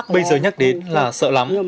bây giờ nhắc đến căn bệnh viêm lõng nhật bản